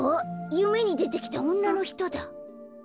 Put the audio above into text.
ゆめにでてきたおんなのひとだ。